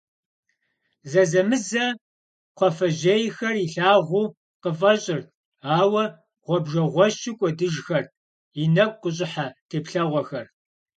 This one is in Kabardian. Зэзэмызэ кхъуафэжьейхэр илъагъуу къыфӏэщӏырт, ауэ гъуабжэгъуэщу кӏуэдыжхэрт и нэгу къыщӏыхьэ теплъэгъуэхэр.